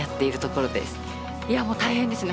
いやもう大変ですね